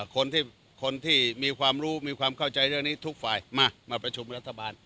คนที่คนที่มีความรู้มีความเข้าใจเรื่องนี้ทุกฝ่ายมามาประชุมรัฐบาล